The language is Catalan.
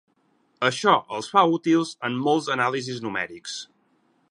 Això els fa útils en molts anàlisis numèrics.